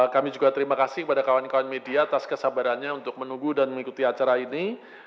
kami juga terima kasih kepada kawan kawan media atas kesabarannya untuk menunggu dan mengikuti acara ini